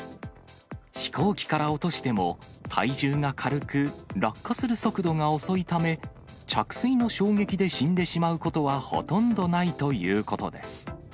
飛行機から落としても、体重が軽く、落下する速度が遅いため、着水の衝撃で死んでしまうことはほとんどないということです。